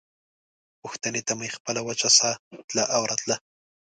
پوښتنې ته مې خپله وچه ساه تله او راتله.